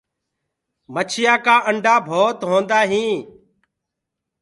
مڇيآ ڪآ آنڊآ ڀوت هوندآ هينٚ۔